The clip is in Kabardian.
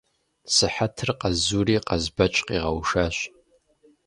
Сыхьэтыр къэзури Къазбэч къигъэушащ.